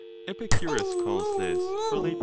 Epicurus calls this 7r|0(iX?)>